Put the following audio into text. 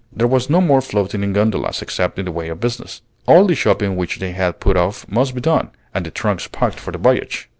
There was no more floating in gondolas, except in the way of business. All the shopping which they had put off must be done, and the trunks packed for the voyage.